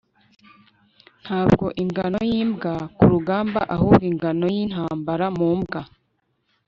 Ntabwo ingano yimbwa kurugamba ahubwo ingano yintambara mu mbwa